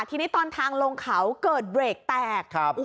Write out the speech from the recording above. ทีนี้ตอนทางลงเขาเกิดเบรกแตก